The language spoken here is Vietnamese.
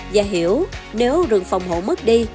và hiểu nếu rừng phòng hộ mất đi